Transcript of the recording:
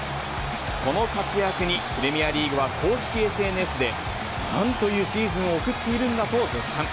この活躍に、プレミアリーグは公式ＳＮＳで、なんというシーズンを送っているんだと絶賛。